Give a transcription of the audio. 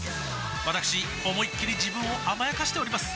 わたくし思いっきり自分を甘やかしております